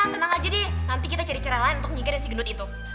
tenang aja deh nanti kita cari cara lain untuk nyikir dari si gendut itu